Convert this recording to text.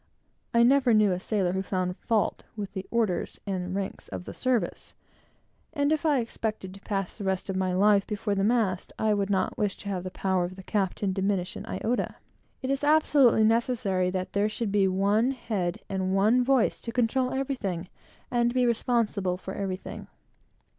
I never knew a sailor who found fault with the orders and ranks of the service; and if I expected to pass the rest of my life before the mast, I would not wish to have the power of the captain diminished an iota. It is absolutely necessary that there should be one head and one voice, to control everything, and be responsible for everything.